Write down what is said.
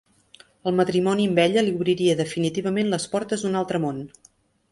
El matrimoni amb ella li obriria definitivament les portes d'un altre món.